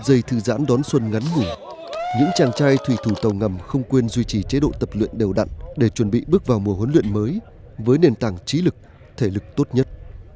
dây thư giãn đón xuân ngắn ngủ những chàng trai thủy thủ tàu ngầm không quên duy trì chế độ tập luyện đều đặn để chuẩn bị bước vào mùa huấn luyện mới với nền tảng trí lực thể lực tốt nhất